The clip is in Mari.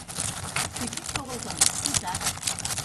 Чӱчӱч огыл гын, изат.